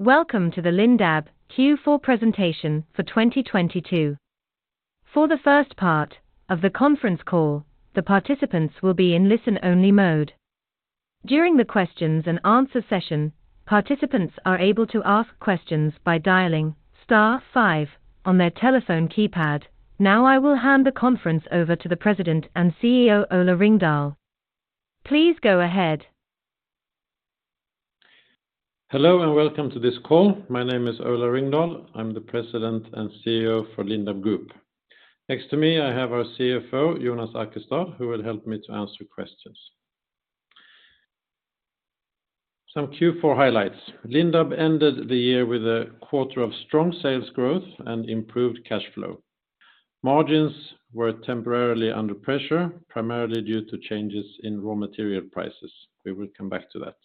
Welcome to the Lindab Q4 presentation for 2022. For the first part of the conference call, the participants will be in listen-only mode. During the questions-and-answer session, participants are able to ask questions by dialing star five on their telephone keypad. Now I will hand the conference over to the President and CEO, Ola Ringdahl. Please go ahead. Hello and welcome to this call. My name is Ola Ringdahl. I'm the President and CEO for Lindab Group. Next to me, I have our CFO, Jonas Arkestad, who will help me to answer questions. Some Q4 highlights. Lindab ended the year with a quarter of strong sales growth and improved cash flow. Margins were temporarily under pressure, primarily due to changes in raw material prices. We will come back to that.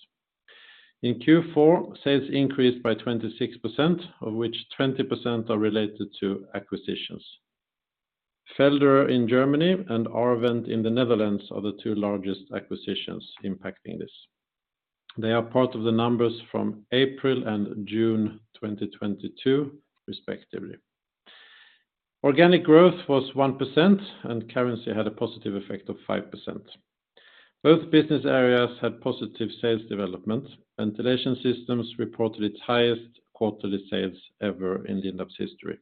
In Q4, sales increased by 26%, of which 20% are related to acquisitions. Felderer in Germany and R-Vent in the Netherlands are the two largest acquisitions impacting this. They are part of the numbers from April and June 2022 respectively. Organic growth was 1% and currency had a positive effect of 5%. Both business areas had positive sales development. Ventilation Systems reported its highest quarterly sales ever in Lindab's history.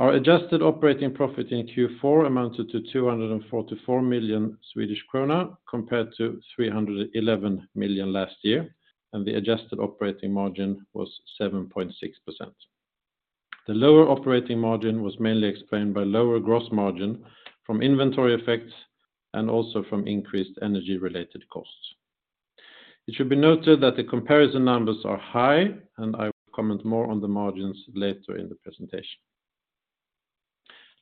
Our adjusted operating profit in Q4 amounted to 244 million Swedish krona, compared to 311 million last year. The adjusted operating margin was 7.6%. The lower operating margin was mainly explained by lower gross margin from inventory effects and also from increased energy-related costs. It should be noted that the comparison numbers are high. I will comment more on the margins later in the presentation.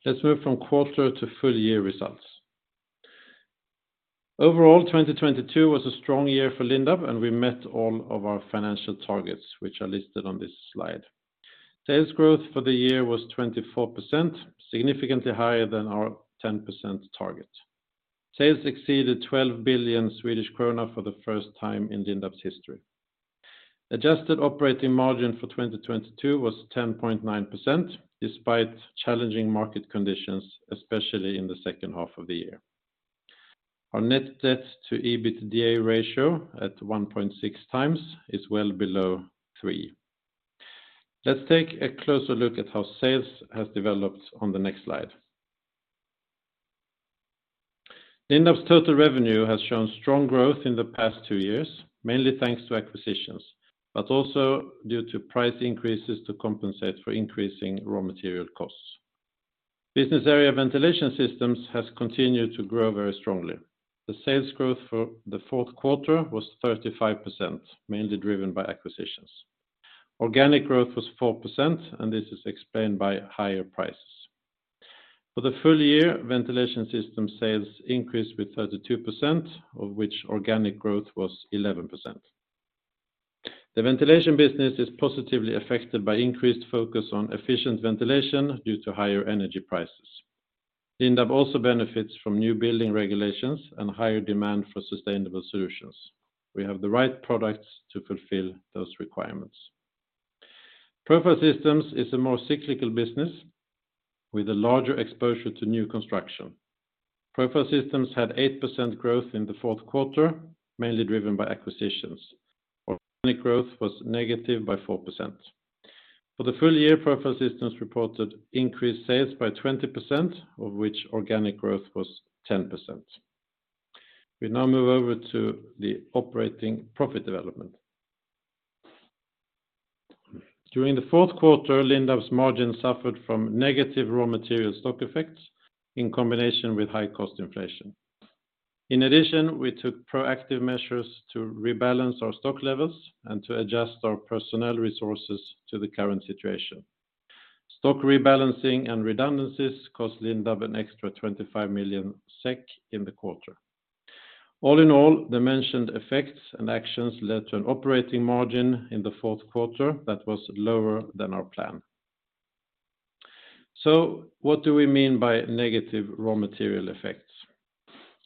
Let's move from quarter to full year results. Overall, 2022 was a strong year for Lindab. We met all of our financial targets, which are listed on this slide. Sales growth for the year was 24%, significantly higher than our 10% target. Sales exceeded 12 billion Swedish krona for the first time in Lindab's history. Adjusted operating margin for 2022 was 10.9% despite challenging market conditions, especially in the second half of the year. Our net debt to EBITDA ratio at 1.6x is well below three. Let's take a closer look at how sales has developed on the next slide. Lindab's total revenue has shown strong growth in the past two years, mainly thanks to acquisitions, but also due to price increases to compensate for increasing raw material costs. business area Ventilation Systems has continued to grow very strongly. The sales growth for the fourth quarter was 35%, mainly driven by acquisitions. Organic growth was 4%, and this is explained by higher prices. For the full year, Ventilation Systems sales increased with 32%, of which organic growth was 11%. The ventilation business is positively affected by increased focus on efficient ventilation due to higher energy prices. Lindab also benefits from new building regulations and higher demand for sustainable solutions. We have the right products to fulfill those requirements. Profile Systems is a more cyclical business with a larger exposure to new construction. Profile Systems had 8% growth in the fourth quarter, mainly driven by acquisitions, while organic growth was negative by 4%. For the full year, Profile Systems reported increased sales by 20%, of which organic growth was 10%. We now move over to the operating profit development. During the fourth quarter, Lindab's margin suffered from negative raw material stock effects in combination with high cost inflation. In addition, we took proactive measures to rebalance our stock levels and to adjust our personnel resources to the current situation. Stock rebalancing and redundancies cost Lindab an extra 25 million SEK in the quarter. All in all, the mentioned effects and actions led to an operating margin in the fourth quarter that was lower than our plan. What do we mean by negative raw material effects?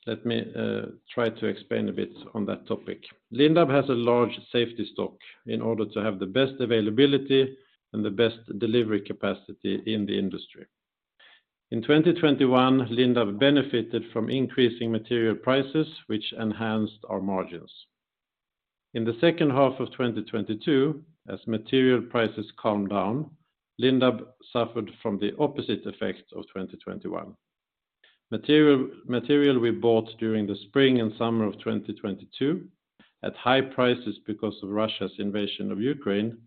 Let me try to explain a bit on that topic. Lindab has a large safety stock in order to have the best availability and the best delivery capacity in the industry. In 2021, Lindab benefited from increasing material prices, which enhanced our margins. In the second half of 2022, as material prices calmed down, Lindab suffered from the opposite effect of 2021. Material we bought during the spring and summer of 2022 at high prices because of Russia's invasion of Ukraine,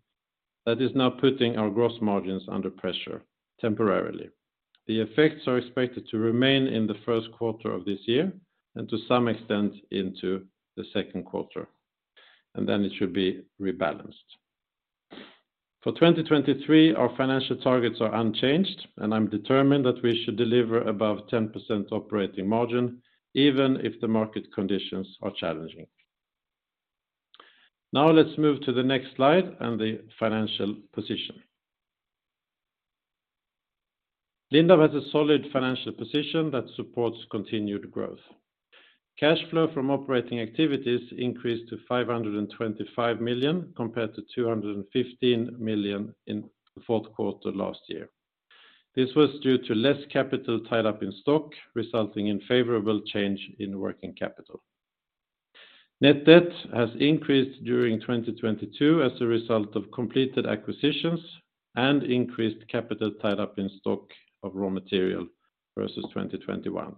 that is now putting our gross margins under pressure temporarily. The effects are expected to remain in the first quarter of this year and to some extent into the second quarter, and then it should be rebalanced. For 2023, our financial targets are unchanged, and I'm determined that we should deliver above 10% operating margin, even if the market conditions are challenging. Now let's move to the next slide and the financial position. Lindab has a solid financial position that supports continued growth. Cash flow from operating activities increased to 525 million compared to 215 million in the fourth quarter last year. This was due to less capital tied up in stock, resulting in favorable change in working capital. Net debt has increased during 2022 as a result of completed acquisitions and increased capital tied up in stock of raw material versus 2021.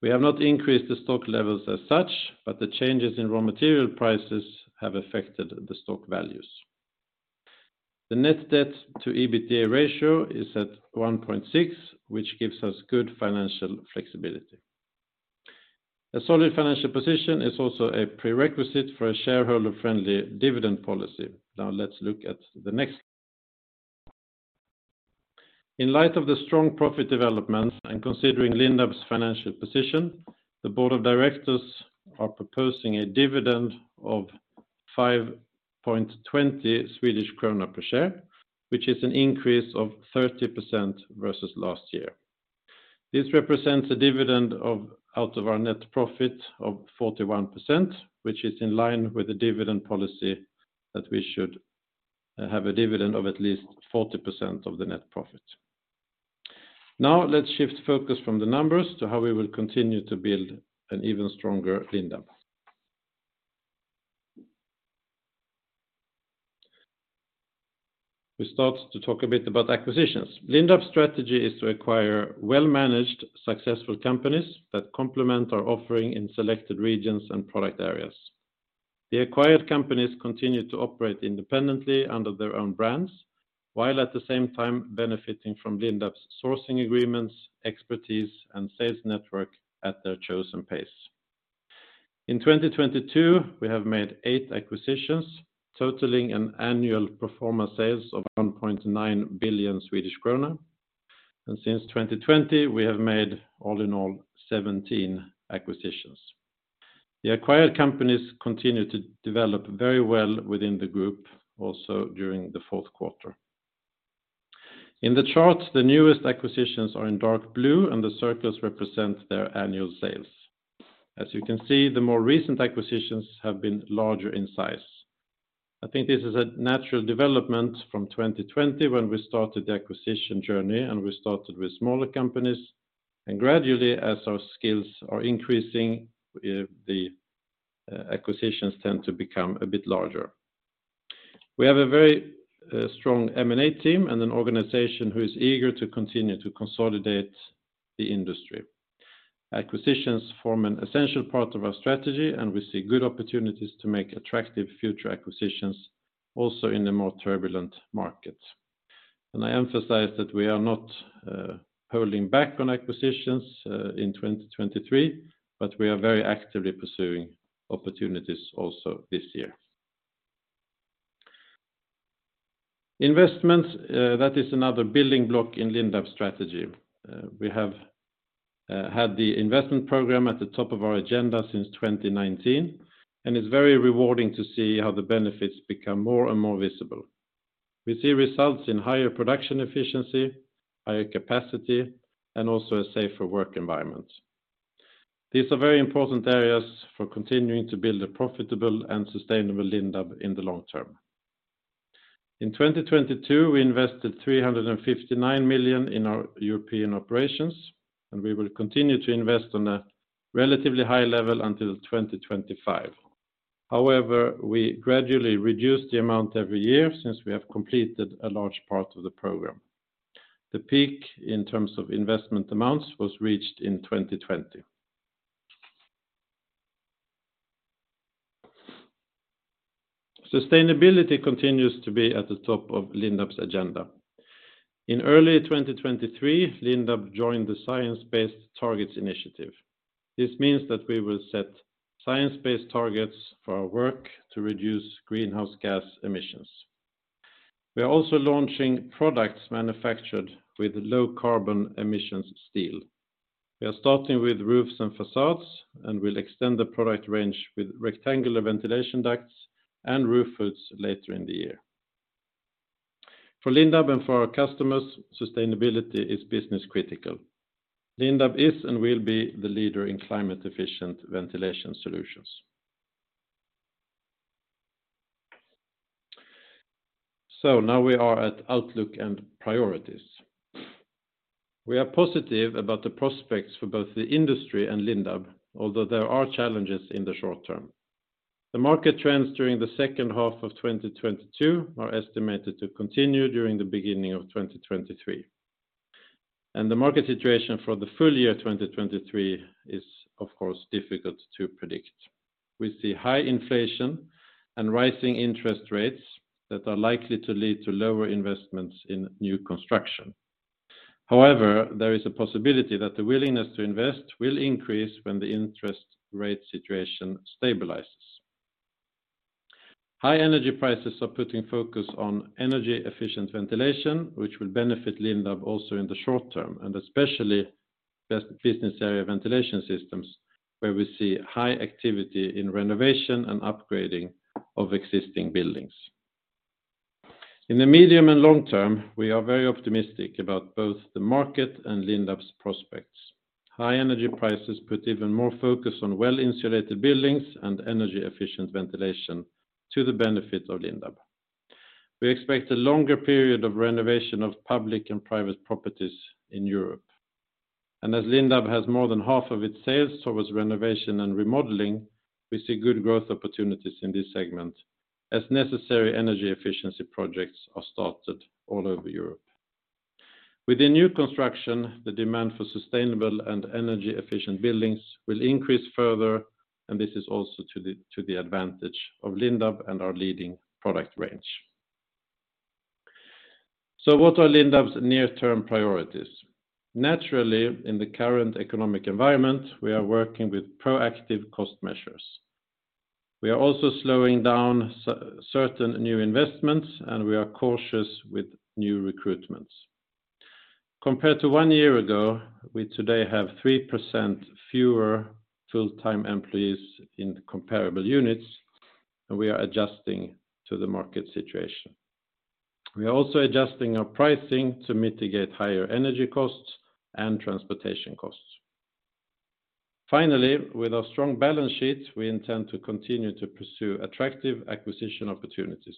We have not increased the stock levels as such, the changes in raw material prices have affected the stock values. The net debt to EBITDA ratio is at 1.6 which gives us good financial flexibility. A solid financial position is also a prerequisite for a shareholder-friendly dividend policy. Let's look at the next. In light of the strong profit development and considering Lindab's financial position, the board of directors are proposing a dividend of 5.20 Swedish krona per share, which is an increase of 30% versus last year. This represents a dividend out of our net profit of 41%, which is in line with the dividend policy that we should have a dividend of at least 40% of the net profit. Let's shift focus from the numbers to how we will continue to build an even stronger Lindab. We start to talk a bit about acquisitions. Lindab's strategy is to acquire well-managed successful companies that complement our offering in selected regions and product areas. The acquired companies continue to operate independently under their own brands, while at the same time benefiting from Lindab's sourcing agreements, expertise, and sales network at their chosen pace. In 2022, we have made eight acquisitions, totaling an annual pro forma sales of 1.9 billion Swedish krona, and since 2020, we have made all in all 17 acquisitions. The acquired companies continue to develop very well within the group also during the fourth quarter. In the charts, the newest acquisitions are in dark blue. The circles represent their annual sales. As you can see, the more recent acquisitions have been larger in size. I think this is a natural development from 2020 when we started the acquisition journey. We started with smaller companies. Gradually, as our skills are increasing, the acquisitions tend to become a bit larger. We have a very strong M&A team and an organization who is eager to continue to consolidate the industry. Acquisitions form an essential part of our strategy. We see good opportunities to make attractive future acquisitions also in the more turbulent markets. I emphasize that we are not holding back on acquisitions in 2023. We are very actively pursuing opportunities also this year. Investments, that is another building block in Lindab's strategy. We have had the investment program at the top of our agenda since 2019. It's very rewarding to see how the benefits become more and more visible. We see results in higher production efficiency, higher capacity, and also a safer work environment. These are very important areas for continuing to build a profitable and sustainable Lindab in the long term. In 2022, we invested 359 million in our European operations. We will continue to invest on a relatively high level until 2025. However, we gradually reduce the amount every year since we have completed a large part of the program. The peak in terms of investment amounts was reached in 2020. Sustainability continues to be at the top of Lindab's agenda. In early 2023, Lindab joined the Science Based Targets initiative. This means that we will set science-based targets for our work to reduce greenhouse gas emissions. We are also launching products manufactured with low-carbon emissions steel. We are starting with roofs and facades and will extend the product range with rectangular ventilation ducts and roof hoods later in the year. For Lindab and for our customers, sustainability is business critical. Lindab is and will be the leader in climate-efficient ventilation solutions. Now we are at outlook and priorities. We are positive about the prospects for both the industry and Lindab, although there are challenges in the short term. The market trends during the second half of 2022 are estimated to continue during the beginning of 2023, and the market situation for the full year 2023 is, of course, difficult to predict. We see high inflation and rising interest rates that are likely to lead to lower investments in new construction. However, there is a possibility that the willingness to invest will increase when the interest rate situation stabilizes. High energy prices are putting focus on energy-efficient ventilation, which will benefit Lindab also in the short term, and especially business area Ventilation Systems, where we see high activity in renovation and upgrading of existing buildings. In the medium and long term, we are very optimistic about both the market and Lindab's prospects. High energy prices put even more focus on well-insulated buildings and energy-efficient ventilation to the benefit of Lindab. We expect a longer period of renovation of public and private properties in Europe. As Lindab has more than half of its sales towards renovation and remodeling, we see good growth opportunities in this segment as necessary energy efficiency projects are started all over Europe. With the new construction, the demand for sustainable and energy efficient buildings will increase further, this is also to the advantage of Lindab and our leading product range. What are Lindab's near-term priorities? Naturally, in the current economic environment, we are working with proactive cost measures. We are also slowing down certain new investments, and we are cautious with new recruitments. Compared to one year ago, we today have 3% fewer full-time employees in comparable units, and we are adjusting to the market situation. We are also adjusting our pricing to mitigate higher energy costs and transportation costs. Finally, with our strong balance sheet, we intend to continue to pursue attractive acquisition opportunities.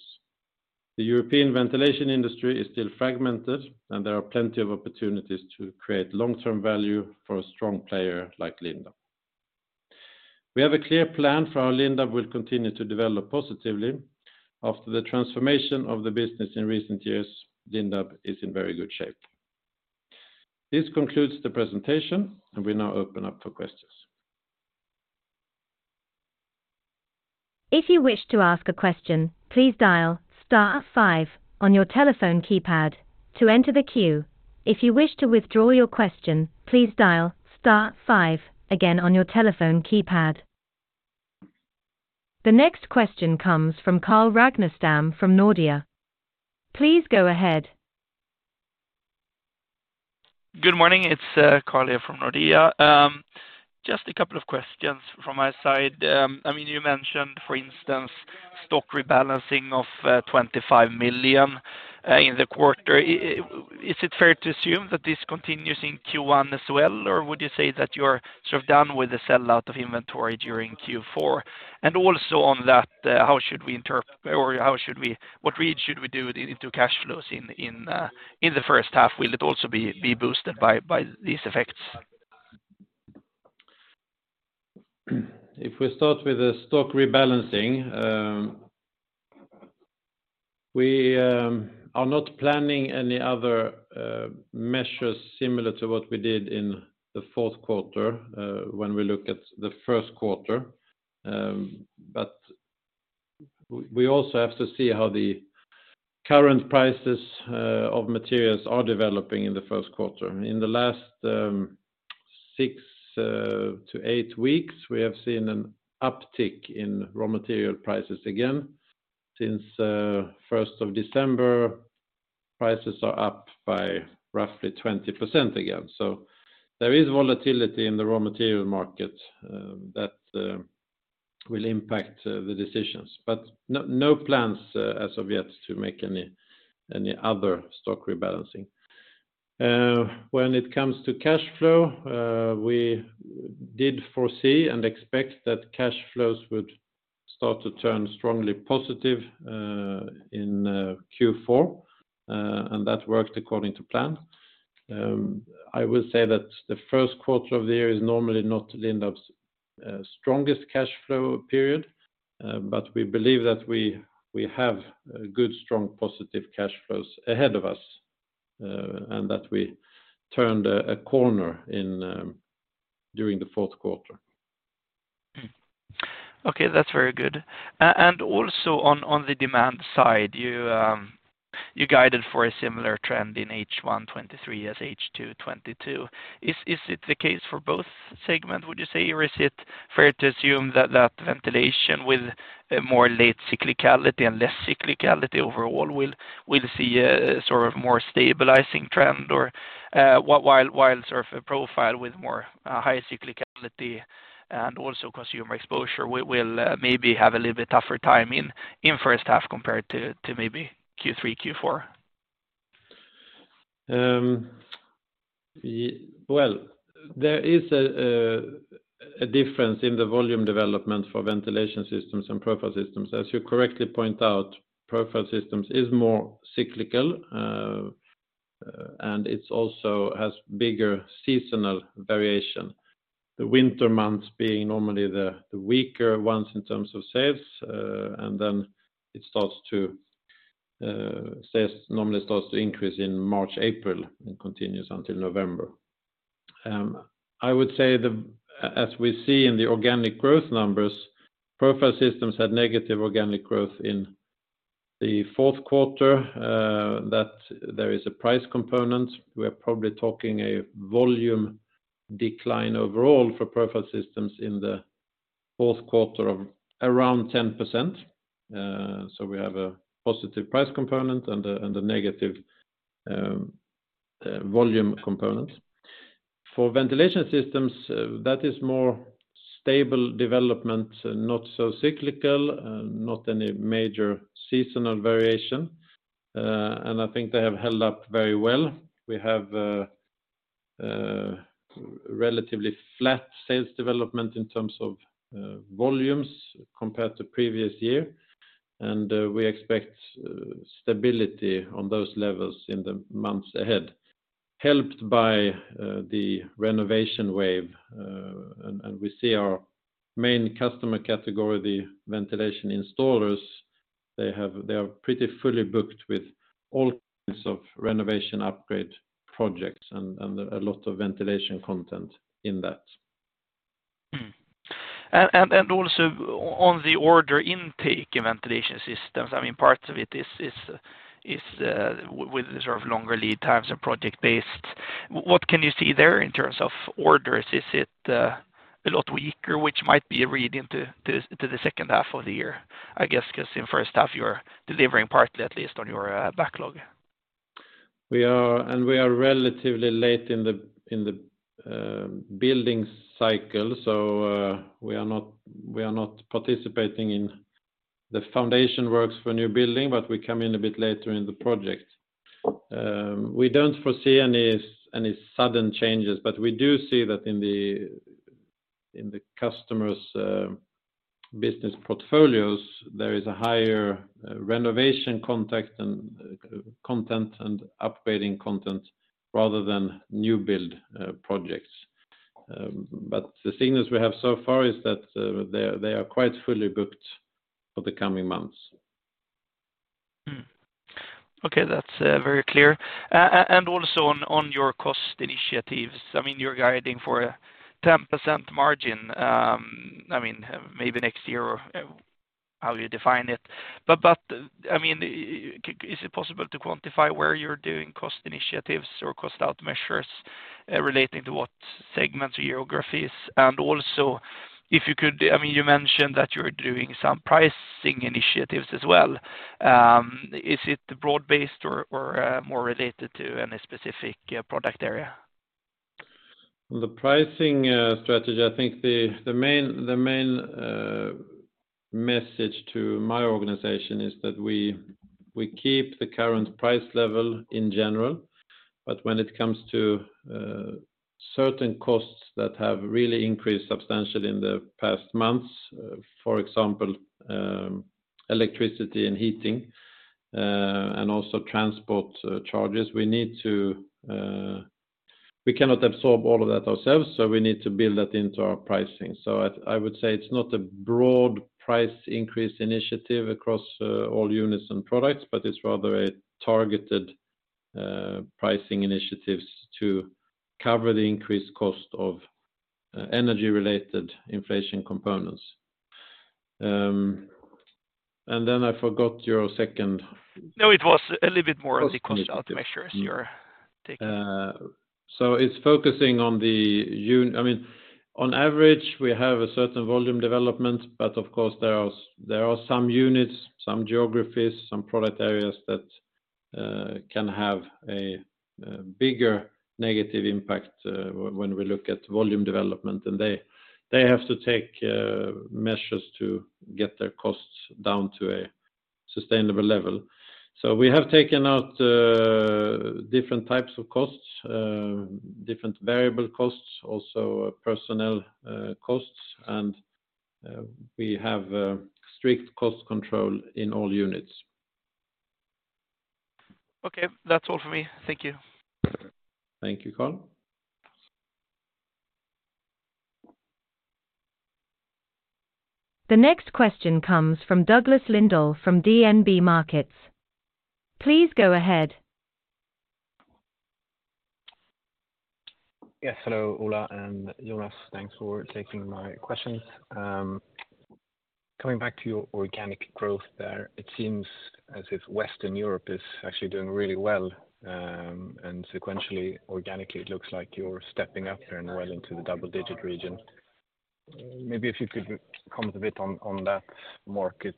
The European ventilation industry is still fragmented, and there are plenty of opportunities to create long-term value for a strong player like Lindab. We have a clear plan for how Lindab will continue to develop positively. After the transformation of the business in recent years, Lindab is in very good shape. This concludes the presentation, and we now open up for questions. If you wish to ask a question, please dial star five on your telephone keypad to enter the queue. If you wish to withdraw your question, please dial star five again on your telephone keypad. The next question comes from Carl Ragnerstam from Nordea. Please go ahead. Good morning, it's Carl here from Nordea. Just a couple of questions from my side. I mean, you mentioned, for instance, stock rebalancing of 25 million in the quarter. Is it fair to assume that this continues in Q1 as well, or would you say that you're sort of done with the sell out of inventory during Q4? Also on that, how should we what read should we do into cash flows in the first half? Will it also be boosted by these effects? If we start with the stock rebalancing, we are not planning any other measures similar to what we did in the fourth quarter when we look at the first quarter. But we also have to see how the current prices of materials are developing in the first quarter. In the last six to eight weeks, we have seen an uptick in raw material prices again. Since first of December, prices are up by roughly 20% again. There is volatility in the raw material market that will impact the decisions. No plans as of yet to make any other stock rebalancing. When it comes to cash flow, we did foresee and expect that cash flows would start to turn strongly positive in Q4, and that worked according to plan. I will say that the first quarter of the year is normally not Lindab's strongest cash flow period, but we believe that we have good, strong positive cash flows ahead of us, and that we turned a corner in during the fourth quarter. Okay, that's very good. Also on the demand side, you guided for a similar trend in H1 2023 as H2 2022. Is it the case for both segment, would you say, or is it fair to assume that ventilation with more late cyclicality and less cyclicality overall will see a sort of more stabilizing trend or while sort of a profile with more high cyclicality and also consumer exposure will maybe have a little bit tougher time in first half compared to maybe Q3, Q4? Well, there is a difference in the volume development for Ventilation Systems and Profile Systems. As you correctly point out, Profile Systems is more cyclical, and it also has bigger seasonal variation. The winter months being normally the weaker ones in terms of sales, and then it starts to sales normally starts to increase in March, April, and continues until November. I would say as we see in the organic growth numbers, Profile Systems had negative organic growth in the fourth quarter, that there is a price component. We are probably talking a volume decline overall for Profile Systems in the fourth quarter of around 10%. We have a positive price component and a negative volume component. For Ventilation Systems, that is more stable development, not so cyclical, not any major seasonal variation. I think they have held up very well. We have relatively flat sales development in terms of volumes compared to previous year, and we expect stability on those levels in the months ahead, helped by the renovation wave. We see our main customer category, the ventilation installers, they are pretty fully booked with all kinds of renovation upgrade projects and a lot of ventilation content in that. Also on the order intake in Ventilation Systems, I mean, parts of it is with the sort of longer lead times and project-based. What can you see there in terms of orders? Is it a lot weaker, which might be a read into the second half of the year? I guess, because in first half you are delivering partly at least on your backlog. We are relatively late in the building cycle. We are not participating in the foundation works for new building, but we come in a bit later in the project. We don't foresee any sudden changes, we do see that in the customers' business portfolios, there is a higher renovation contact and content and upgrading content rather than new build projects. The signals we have so far is that they are quite fully booked for the coming months. Okay. That's very clear. Also on your cost initiatives, I mean, you're guiding for a 10% margin, I mean, maybe next year or how you define it. I mean, is it possible to quantify where you're doing cost initiatives or cost out measures, relating to what segments or geographies? I mean, you mentioned that you're doing some pricing initiatives as well. Is it broad-based or more related to any specific product area? The pricing strategy, I think the main message to my organization is that we keep the current price level in general. When it comes to certain costs that have really increased substantially in the past months, for example, electricity and heating, and also transport charges, we need to. We cannot absorb all of that ourselves, so we need to build that into our pricing. I would say it's not a broad price increase initiative across all units and products, but it's rather a targeted pricing initiatives to cover the increased cost of energy-related inflation components. Then I forgot your second- No, it was a little bit more on the cost out measures you're taking. Cost initiatives. It's focusing on the I mean, on average, we have a certain volume development, but of course, there are some units, some geographies, some product areas that can have a bigger negative impact when we look at volume development. They have to take measures to get their costs down to a sustainable level. We have taken out different types of costs, different variable costs, also personnel costs, and we have a strict cost control in all units. Okay. That's all for me. Thank you. Thank you, Carl. The next question comes from Douglas Lindahl from DNB Markets. Please go ahead. Yes. Hello, Ola and Jonas. Thanks for taking my questions. Coming back to your organic growth there, it seems as if Western Europe is actually doing really well, and sequentially, organically, it looks like you're stepping up there and well into the double-digit region. Maybe if you could comment a bit on that market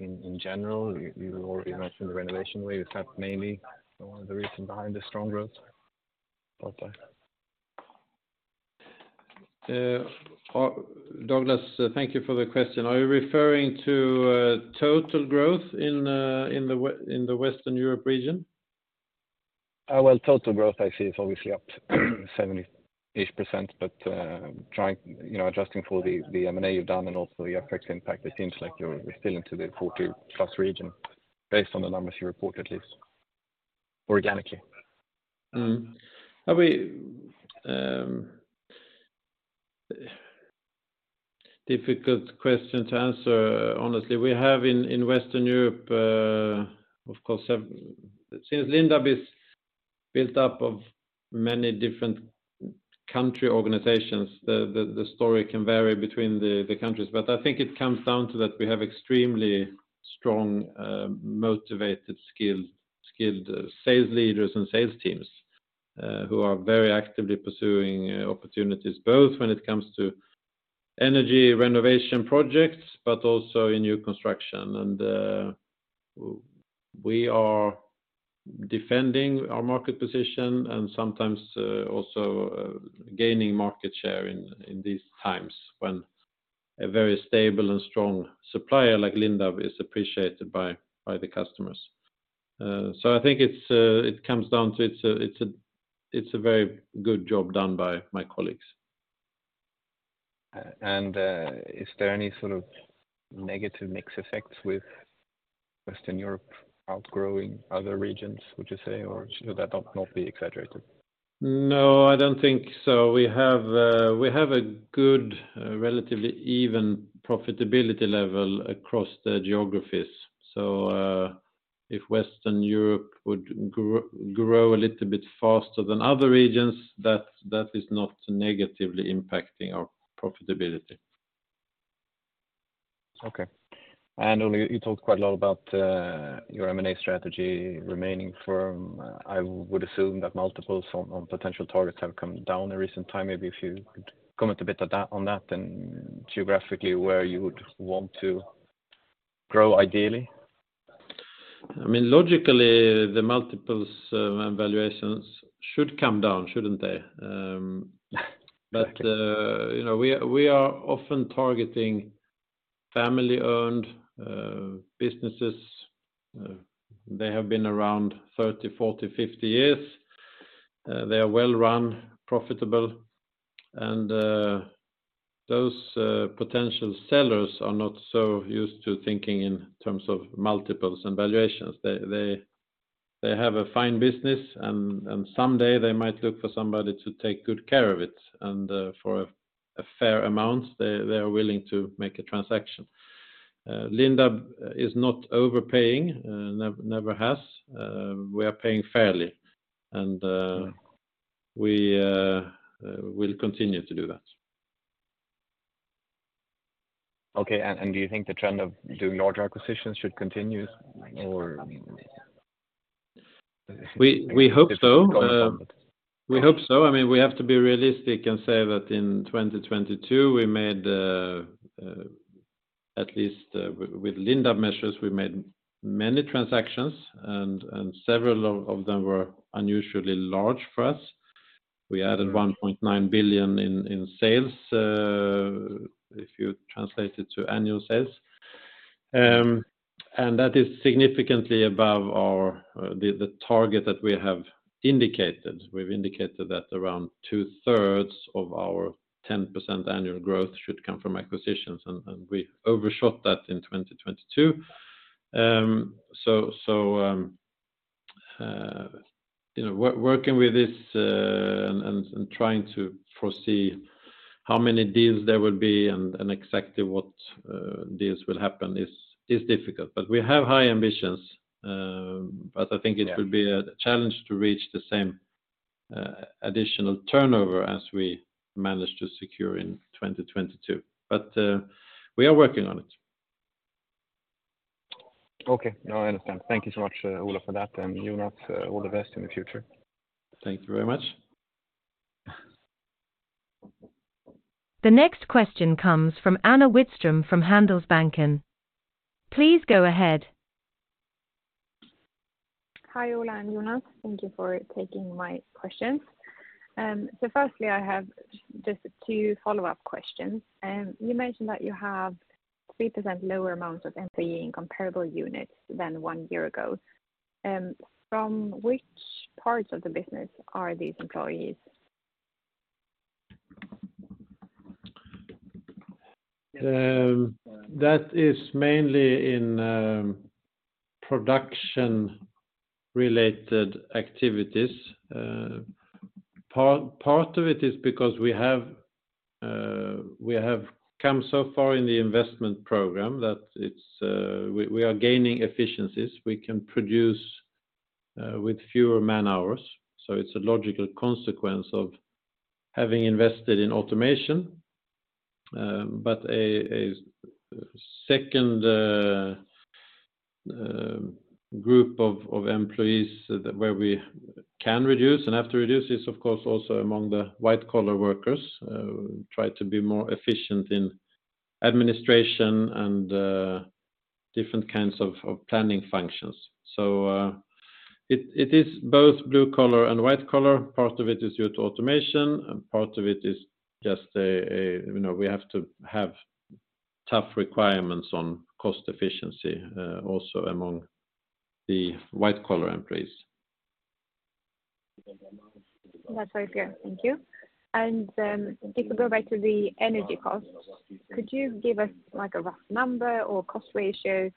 in general. You, you already mentioned the renovation wave. Is that mainly one of the reason behind the strong growth? Douglas, thank you for the question. Are you referring to total growth in the Western Europe region? Well, total growth I see is obviously up 70-ish%. You know, adjusting for the M&A you've done and also the FX impact, it seems like you're still into the 40-plus region based on the numbers you report, at least. Organically. Difficult question to answer, honestly. We have in Western Europe, of course. Since Lindab is built up of many different country organizations, the story can vary between the countries. I think it comes down to that we have extremely strong, motivated, skilled sales leaders and sales teams who are very actively pursuing opportunities, both when it comes to energy renovation projects, but also in new construction. We are defending our market position and sometimes also gaining market share in these times when a very stable and strong supplier like Lindab is appreciated by the customers. I think it comes down to it's a very good job done by my colleagues. Is there any sort of negative mix effects with Western Europe outgrowing other regions, would you say? Should that not be exaggerated? No, I don't think so. We have a good, relatively even profitability level across the geographies. If Western Europe would grow a little bit faster than other regions, that is not negatively impacting our profitability. Okay. Ola, you talked quite a lot about your M&A strategy remaining firm. I would assume that multiples on potential targets have come down in recent time. Maybe if you could comment a bit on that, and geographically, where you would want to grow ideally? I mean, logically, the multiples, and valuations should come down, shouldn't they? You know, we are often targeting family-owned businesses. They have been around 30, 40, 50 years. They are well run, profitable. Those potential sellers are not so used to thinking in terms of multiples and valuations. They have a fine business, and someday they might look for somebody to take good care of it. For a fair amount, they are willing to make a transaction. Lindab is not overpaying, never has. We are paying fairly, and we will continue to do that. Okay. Do you think the trend of doing larger acquisitions should continue or. We hope so. We hope so. I mean, we have to be realistic and say that in 2022 we made at least with Lindab measures, we made many transactions and several of them were unusually large for us. We added 1.9 billion in sales if you translate it to annual sales. That is significantly above our target that we have indicated. We've indicated that around two-thirds of our 10% annual growth should come from acquisitions, and we overshot that in 2022. You know, working with this and trying to foresee how many deals there will be and exactly what deals will happen is difficult. We have high ambitions, but I think. Yeah It will be a challenge to reach the same additional turnover as we managed to secure in 2022. We are working on it. Okay. No, I understand. Thank you so much, Ola, for that, and Jonas, all the best in the future. Thank you very much. The next question comes from Anna Lindholm-Widström from Handelsbanken. Please go ahead. Hi, Ola and Jonas. Thank you for taking my questions. Firstly, I have just two follow-up questions. You mentioned that you have 3% lower amounts of employee in comparable units than one year ago. From which parts of the business are these employees? That is mainly in production-related activities. Part of it is because we have come so far in the investment program that it's, we are gaining efficiencies. We can produce with fewer man-hours, so it's a logical consequence of having invested in automation. But a second group of employees where we can reduce and have to reduce is, of course, also among the white-collar workers. Try to be more efficient in administration and different kinds of planning functions. It is both blue collar and white collar. Part of it is due to automation, and part of it is just a, you know, we have to have tough requirements on cost efficiency, also among the white-collar employees. That's very clear. Thank you. If we go back to the energy costs, could you give us like a rough number or cost ratio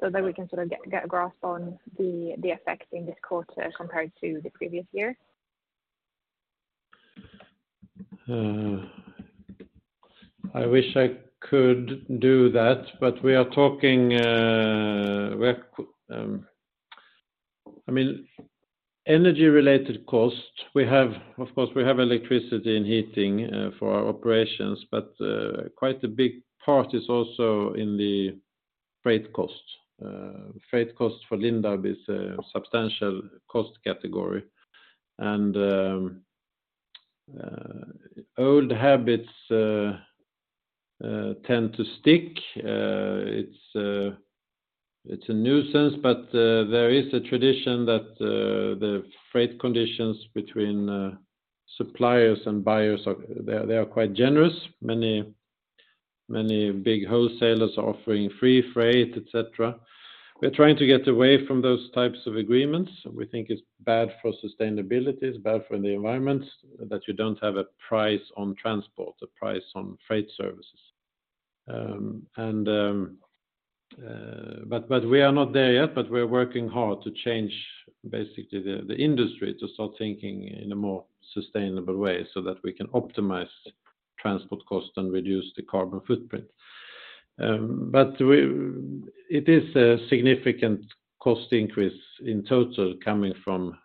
so that we can sort of get a grasp on the effect in this quarter compared to the previous year? I wish I could do that, but we are talking, I mean, energy-related costs, we have, of course, we have electricity and heating for our operations, but quite a big part is also in the freight costs. Freight costs for Lindab is a substantial cost category. Old habits tend to stick. It's a nuisance, but there is a tradition that the freight conditions between suppliers and buyers they are quite generous. Many big wholesalers are offering free freight, et cetera. We're trying to get away from those types of agreements. We think it's bad for sustainability, it's bad for the environment that you don't have a price on transport, a price on freight services. We are not there yet, but we're working hard to change basically the industry to start thinking in a more sustainable way so that we can optimize transport costs and reduce the carbon footprint. It is a significant cost increase in total coming from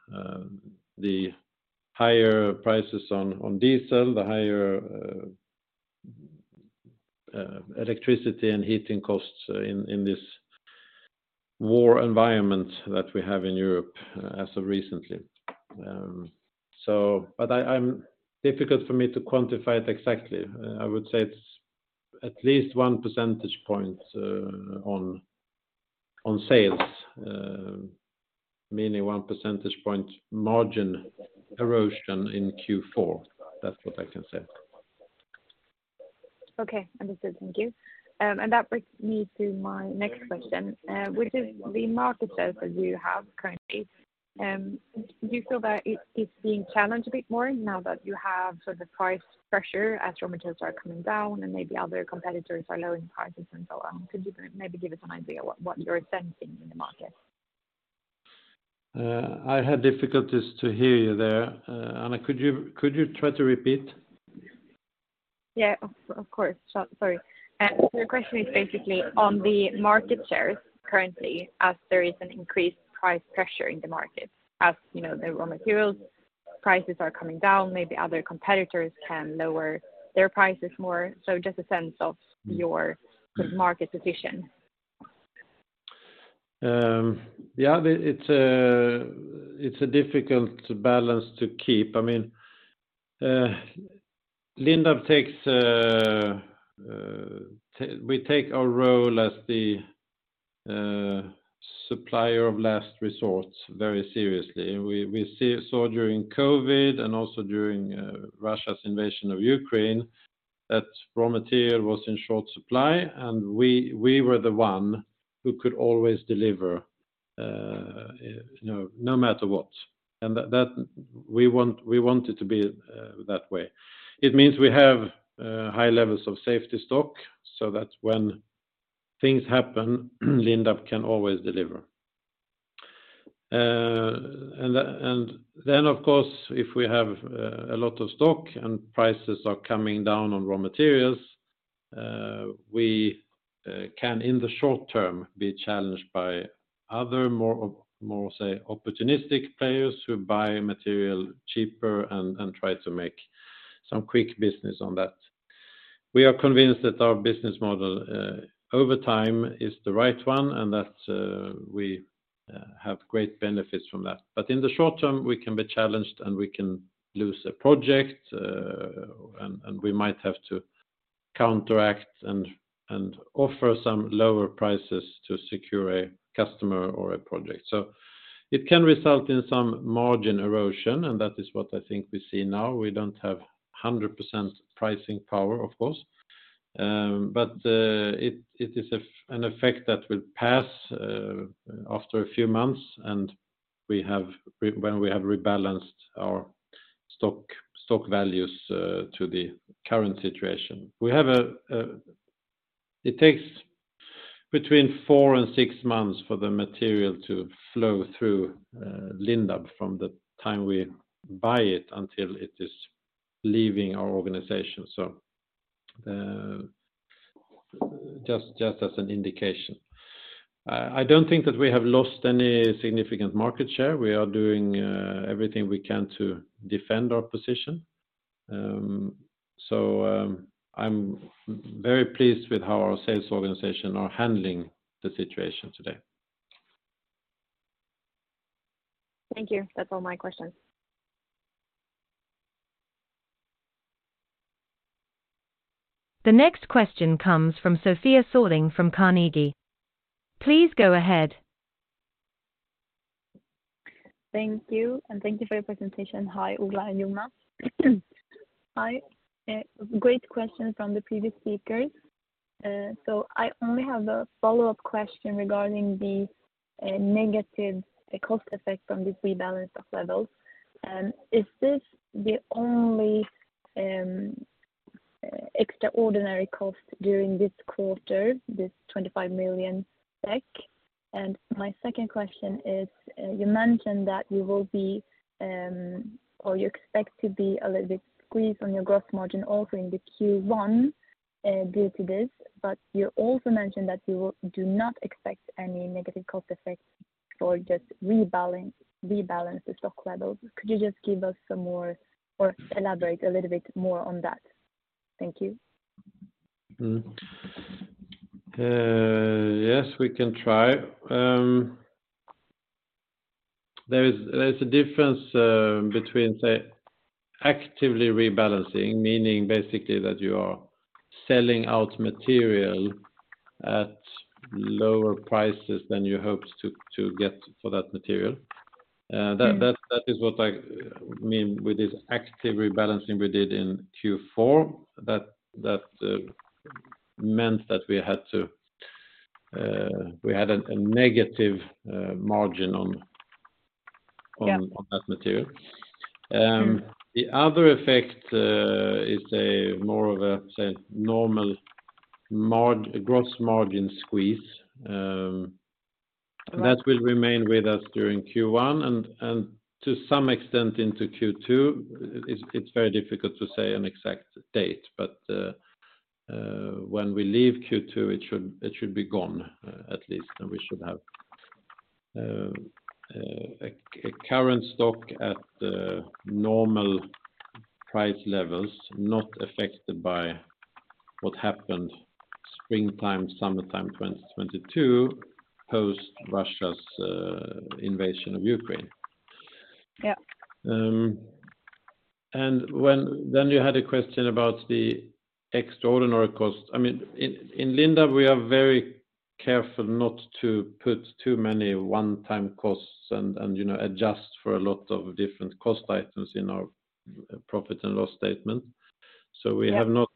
the higher prices on diesel, the higher electricity and heating costs in this war environment that we have in Europe as of recently. Difficult for me to quantify it exactly. I would say it's at least one percentage point on sales, meaning one percentage point margin erosion in Q4. That's what I can say. Okay. Understood. Thank you. That brings me to my next question, which is the market share that you have currently. Do you feel that it's being challenged a bit more now that you have sort of price pressure as raw materials are coming down and maybe other competitors are lowering prices and so on? Could you maybe give us an idea what you're sensing in the market? I had difficulties to hear you there. Anna, could you try to repeat? Yeah. Of course. Sorry. The question is basically on the market shares currently as there is an increased price pressure in the market. As, you know, the raw materials prices are coming down, maybe other competitors can lower their prices more. Just a sense of your market position. Yeah. It's a difficult balance to keep. I mean, Lindab takes, we take our role as the supplier of last resort very seriously. We saw during COVID and also during Russia's invasion of Ukraine that raw material was in short supply, and we were the one who could always deliver, you know, no matter what. That, we want it to be that way. It means we have high levels of safety stock, so that when things happen, Lindab can always deliver. Then, of course, if we have a lot of stock and prices are coming down on raw materials, we can, in the short term, be challenged by other more opportunistic players who buy material cheaper and try to make some quick business on that. We are convinced that our business model over time is the right one and that we have great benefits from that. In the short term, we can be challenged, and we can lose a project, and we might have to counteract and offer some lower prices to secure a customer or a project. It can result in some margin erosion, and that is what I think we see now. We don't have 100% pricing power, of course. It is an effect that will pass after a few months, and we have when we have rebalanced our stock values to the current situation. It takes between four and six months for the material to flow through Lindab from the time we buy it until it is leaving our organization. Just as an indication. I don't think that we have lost any significant market share. We are doing everything we can to defend our position. I'm very pleased with how our sales organization are handling the situation today. Thank you. That's all my questions. The next question comes from Sofia Sörling from Carnegie. Please go ahead. Thank you, and thank you for your presentation. Hi, Ola and Jonas. Hi. Great question from the previous speakers. I only have a follow-up question regarding the negative cost effect from this rebalance of levels. Is this the only extraordinary cost during this quarter, this 25 million SEK? My second question is, you mentioned that you will be, or you expect to be a little bit squeezed on your gross margin also in the Q1 due to this, but you also mentioned that you do not expect any negative cost effects for just rebalance the stock levels. Could you just give us some more or elaborate a little bit more on that? Thank you. Yes, we can try. There is a difference, between, say, actively rebalancing, meaning basically that you are selling out material at lower prices than you hoped to get for that material. Mm. That is what I mean with this active rebalancing we did in Q4. That meant that we had to, we had a negative margin on. Yeah on that material. Sure the other effect, is a more of a, say, normal gross margin squeeze. Right that will remain with us during Q1 and to some extent into Q2. It's very difficult to say an exact date, but when we leave Q2, it should be gone at least, and we should have a current stock at normal price levels not affected by what happened springtime, summertime 2022, post Russia's invasion of Ukraine. Yeah. You had a question about the extraordinary cost. I mean, in Lindab, we are very careful not to put too many one-time costs and, you know, adjust for a lot of different cost items in our profit and loss statement. Yeah. We have not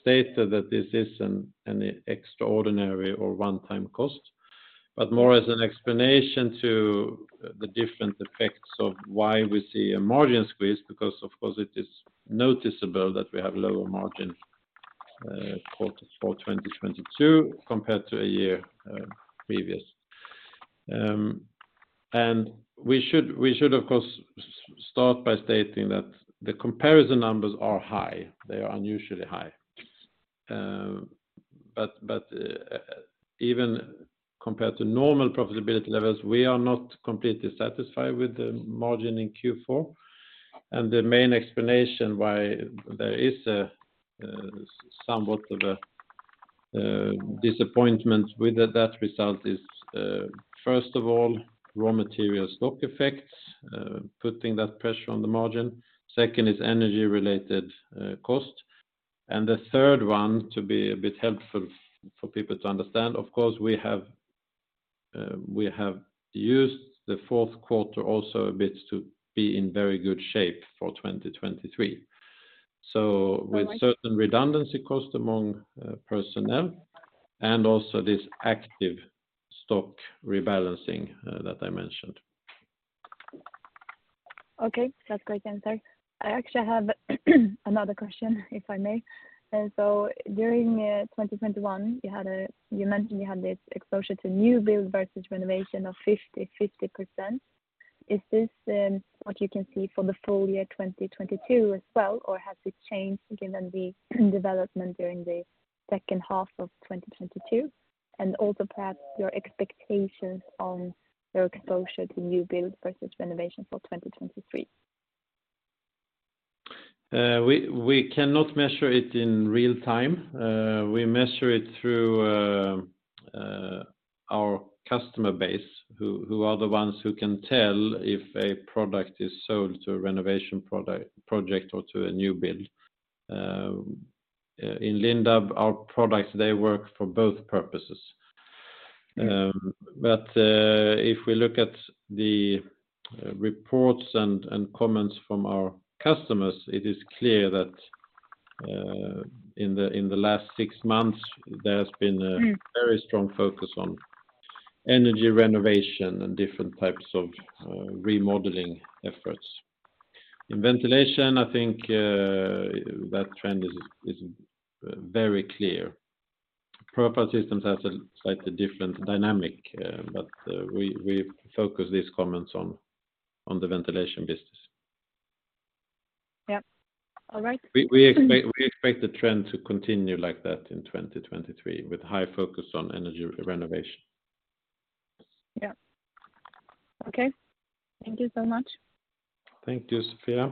stated that this is an extraordinary or one-time cost, but more as an explanation to the different effects of why we see a margin squeeze, because of course it is noticeable that we have lower margin quarter for 2022 compared to a year previous. We should of course start by stating that the comparison numbers are high. They are unusually high. But even compared to normal profitability levels, we are not completely satisfied with the margin in Q4, and the main explanation why there is a somewhat of a disappointment with that result is first of all, raw material stock effects, putting that pressure on the margin. Second is energy-related cost. The third one, to be a bit helpful for people to understand, of course, we have used the fourth quarter also a bit to be in very good shape for 2023. Oh, I see. So with certain redundancy cost among personnel and also this active stock rebalancing, that I mentioned. Okay. That's great answer. I actually have another question, if I may. During 2021, you mentioned you had this exposure to new build versus renovation of 50%/50%. Is this what you can see for the full year 2022 as well, or has it changed given the development during the second half of 2022? Also, perhaps your expectations on your exposure to new build versus renovation for 2023. We cannot measure it in real time. We measure it through our customer base, who are the ones who can tell if a product is sold to a renovation project or to a new build. In Lindab, our products, they work for both purposes. Yeah. If we look at the reports and comments from our customers, it is clear that in the last six months, there has been. Mm Very strong focus on energy renovation and different types of remodeling efforts. In ventilation, I think, that trend is very clear. Profile Systems has a slightly different dynamic, but we focus these comments on the ventilation business. Yeah. All right. We expect the trend to continue like that in 2023 with high focus on energy renovation. Okay. Thank you so much. Thank you, Sofia.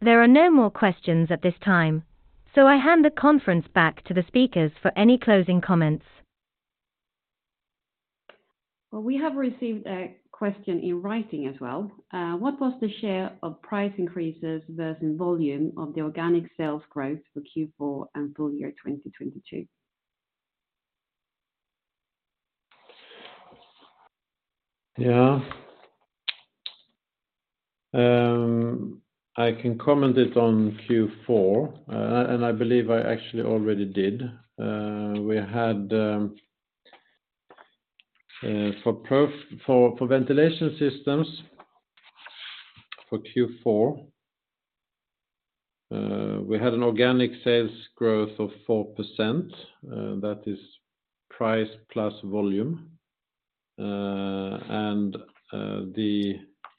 There are no more questions at this time, so I hand the conference back to the speakers for any closing comments. We have received a question in writing as well. What was the share of price increases versus volume of the organic sales growth for Q4 and full year 2022? I can comment it on Q4, and I believe I actually already did. We had for Ventilation Systems, for Q4, we had an organic sales growth of 4%, that is price plus volume. The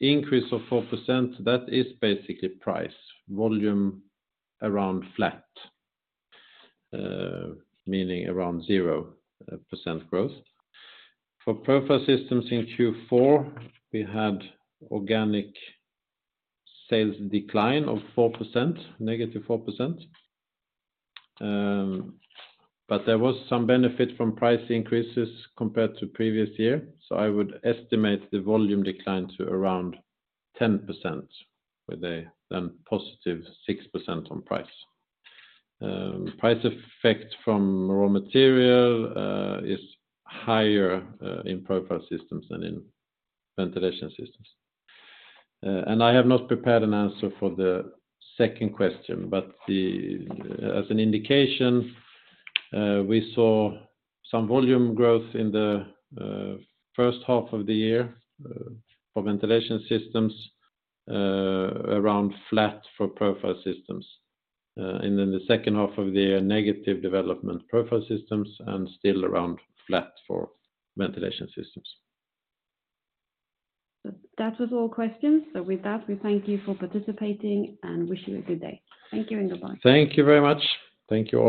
increase of 4%, that is basically price. Volume, around flat, meaning around 0% growth. For Profile Systems in Q4, we had organic sales decline of 4%, -4%. There was some benefit from price increases compared to previous year, so I would estimate the volume decline to around 10% with a then +6% on price. Price effect from raw material is higher in Profile Systems than in Ventilation Systems. I have not prepared an answer for the second question, but as an indication, we saw some volume growth in the first half of the year for Ventilation Systems, around flat for Profile Systems. The second half of the year, negative development Profile Systems and still around flat for Ventilation Systems. That was all questions. With that, we thank you for participating and wish you a good day. Thank you and goodbye. Thank you very much. Thank you all.